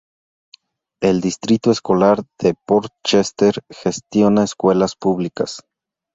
El Distrito Escolar de Port Chester gestiona escuelas públicas.